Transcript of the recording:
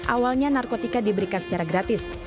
awalnya narkotika diberikan secara gratis